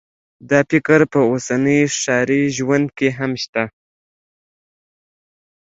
دا فکر په اوسني ښاري ژوند کې هم شته